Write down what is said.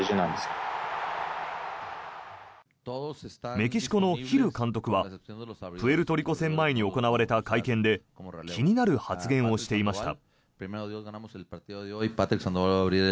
メキシコのヒル監督はプエルトリコ戦前に行われた会見で気になる発言をしていました。